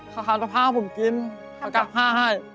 เขาทำสภาพให้ผมกินเขากัดผ้าให้